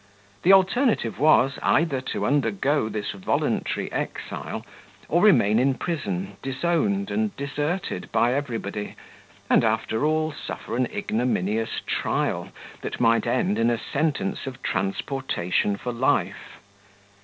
The alternative was, either to undergo this voluntary exile, or remain in prison disowned and deserted by everybody, and, after all, suffer an ignominious trial, that might end in a sentence of transportation for life.